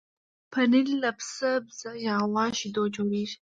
پنېر له پسه، بزه یا غوا شیدو جوړېږي.